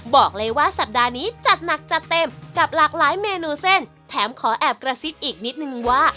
บอกเลยว่าสัปดาห์นี้จัดหนักจัดเต็มกับหลากหลายเมนูเส้นแถมขอแอบกระซิบอีกนิดนึงว่า